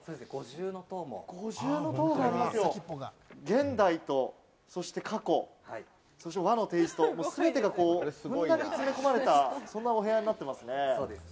現代とそして過去、和のテイスト全てが詰め込まれた、そんなお部屋になっていますね。